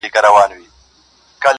د جمات خفه منبره! زمزمه کړم